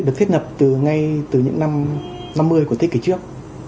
được thiết ngập ngay từ những năm năm mươi của thế kỷ trước